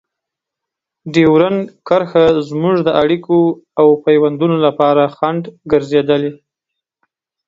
ډیورنډ کرښه زموږ د اړیکو او پيوندونو لپاره خنډ ګرځېدلې.